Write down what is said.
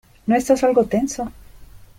¿ No estás algo tenso?